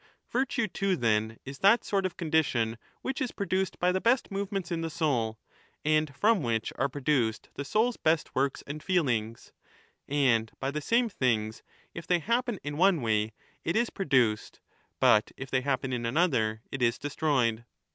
Virtue too then, is that sort of condition which is produced by the 30 best movements in the soul, and from which are produced the soul's best works and feelings ; and by the same things, if they happen in one way, it is produced, but if they happen in another, it is destroyed.